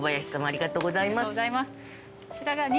ありがとうございます。